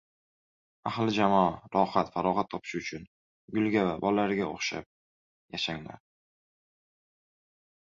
Ahli jamoa — rohat, farog‘at topish uchun gulga va bolariga o‘xshab yashanglar.